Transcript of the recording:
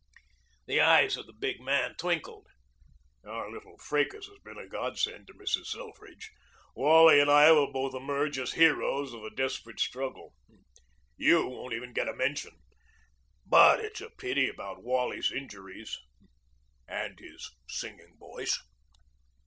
The eyes of the big man twinkled. "Our little fracas has been a godsend to Mrs. Selfridge. Wally and I will both emerge as heroes of a desperate struggle. You won't even get a mention. But it's a pity about Wally's injuries and his singing voice."